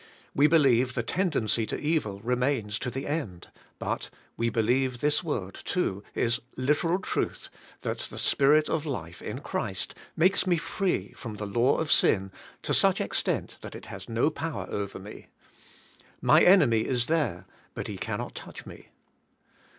We believe the tendency to evil remains to the end, but, we believe this word, too, is literal truth, that the Spirit of life in Christ makes me free from the law of sin to such extent that it has no power over me. My enemy is there, but he cannot touch me.